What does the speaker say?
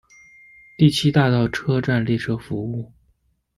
第七大道车站列车服务。